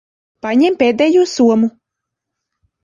Paņem pēdējo somu.